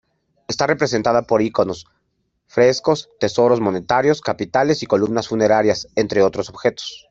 Está representada por iconos, frescos, tesoros monetarios, capiteles y columnas funerarias, entre otros objetos.